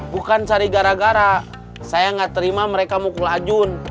bukan cari gara gara saya gak terima mereka mukul ajun